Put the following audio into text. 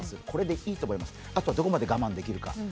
これでいいと思います、あとどこまで我慢できるか。